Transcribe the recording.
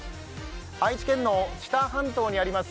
愛知県の知多半島にあります